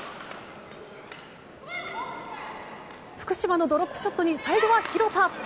福島のドロップショットに最後は廣田。